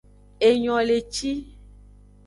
Enyoleci.